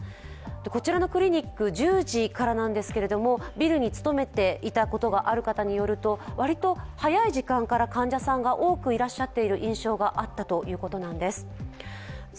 こちらのクリニック、１０時からなんですけれども、ビルに勤めていたことがある方によると、割と早い時間から患者さんが多くいらっしゃっている印象があったということです。